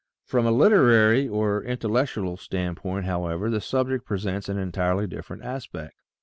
From a literary or intellectual standpoint, however, the subject presents an entirely different aspect.